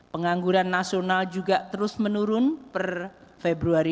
pengangguran nasional juga terus menurun per februari